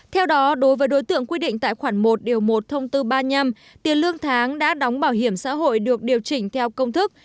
theo đó đối với đối tượng quy định tại khoản một một thông tư ba mươi năm tiền lương tháng đã đóng bảo hiểm xã hội được điều chỉnh theo công thức